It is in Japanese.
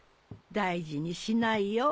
大事にしないよ